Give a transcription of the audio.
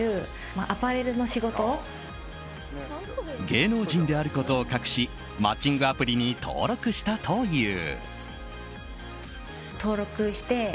芸能人であることを隠しマッチングアプリに登録したという。